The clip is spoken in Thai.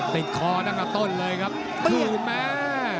ปิดคอด้านละต้นเลยครับผิวแม่